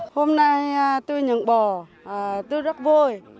hôm nay tôi nhận bò tôi rất vui